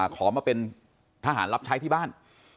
ขอมาเป็นทหารรับใช้ที่บ้าน